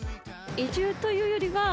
移住というよりはまあ